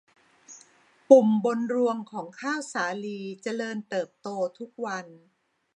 ปุ่มบนรวงของข้าวสาลีเจริญเติบโตทุกวัน